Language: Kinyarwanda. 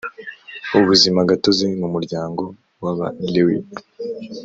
ubuzima gatozi mu muryango w abalewi